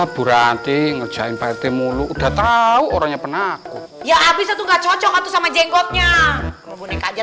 berhenti ngerjain pt mulu udah tahu orangnya penakut ya abis itu gak cocok sama jenggotnya